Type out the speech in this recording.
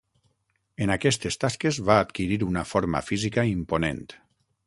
En aquestes tasques va adquirir una forma física imponent.